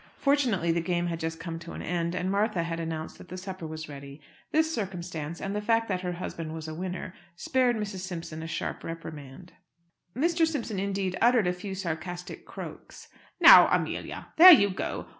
Fortunately the game had just come to an end, and Martha had announced that the supper was ready. This circumstance, and the fact that her husband was a winner, spared Mrs. Simpson a sharp reprimand. Mr. Simpson uttered, indeed, a few sarcastic croaks. "Now, Amelia! There you go!